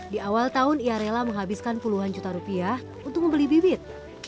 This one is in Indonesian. di awal tahun ia rela menghabiskan puluhan juta rupiah untuk membeli bibit